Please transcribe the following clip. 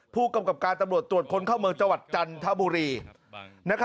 ผู้กำกับการตำรวจตรวจคนเข้าเมืองจังหวัดจันทบุรี